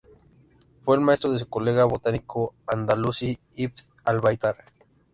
Fue el maestro de su colega botánico andalusí Ibn al-Baitar.